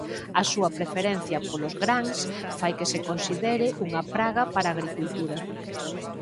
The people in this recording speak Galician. A súa preferencia polos grans fai que se consideren unha praga para a agricultura.